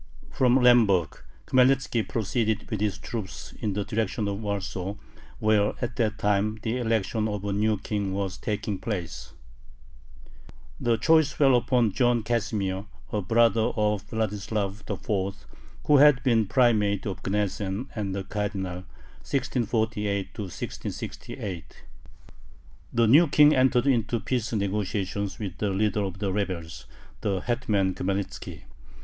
From Lemberg Khmelnitzki proceeded with his troops in the direction of Warsaw, where at that time the election of a new king was taking place. The choice fell upon John Casimir, a brother of Vladislav IV., who had been Primate of Gnesen and a Cardinal (1648 1668). The new King entered into peace negotiations with the leader of the rebels, the hetman Khmelnitzki.